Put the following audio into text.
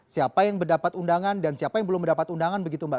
siapa yang mendapat undangan dan siapa yang belum mendapat undangan begitu mbak